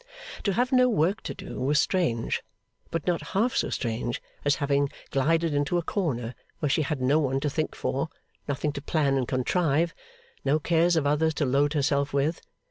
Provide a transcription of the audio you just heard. To have no work to do was strange, but not half so strange as having glided into a corner where she had no one to think for, nothing to plan and contrive, no cares of others to load herself with.